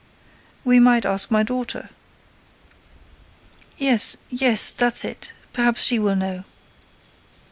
"We might ask my daughter." "Yes—yes—that's it—perhaps she will know."